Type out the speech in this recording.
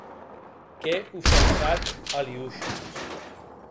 Qu'è ofensat a Aliosha.